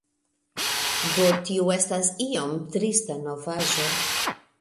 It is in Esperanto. Do tio estas iom trista novaĵo